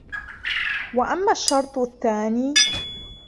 وَأَمَّا الشَّرْطُ الثَّانِي